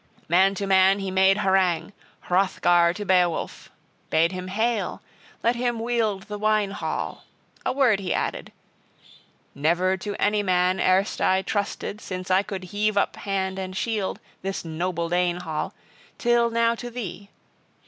Man to man, he made harangue, Hrothgar to Beowulf, bade him hail, let him wield the wine hall: a word he added: "Never to any man erst I trusted, since I could heave up hand and shield, this noble Dane Hall, till now to thee.